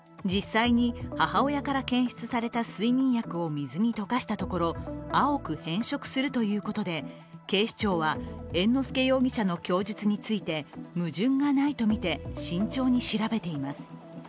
水に溶かしたところ青く変色するということで警視庁は猿之助容疑者の供述について、矛盾がないとみて慎重に調べています。